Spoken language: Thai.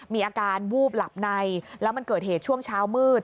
มีอาการวูบหลับในแล้วมันเกิดเหตุช่วงเช้ามืด